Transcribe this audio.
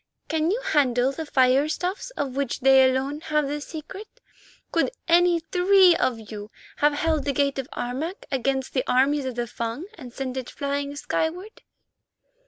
Can you handle the firestuffs of which they alone have the secret? Could any three of you have held the gate of Harmac against the armies of the Fung and sent it flying skyward?"